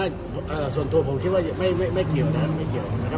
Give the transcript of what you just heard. ก็ส่วนตัวผมคิดว่าไม่เกี่ยวนะครับ